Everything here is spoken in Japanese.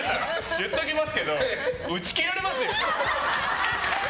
言っときますけど打ち切られますよ。